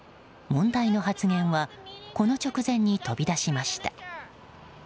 問題の発言はこの直前に飛び出しました。